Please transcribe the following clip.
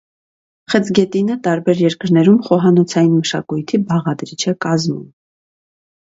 Խեցգետինը տարբեր երկրներում խոհանոցային մշակույթի բաղադրիչ է կազմում։